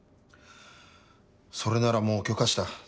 それならもう許可した。